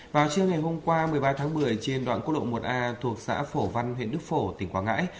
vào trưa ngày hôm qua một mươi ba tháng một mươi trên đoạn quốc lộ một a thuộc xã phổ văn huyện đức phổ tỉnh quảng ngãi